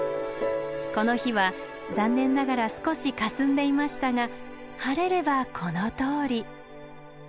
この日は残念ながら少しかすんでいましたが晴れればこのとおり。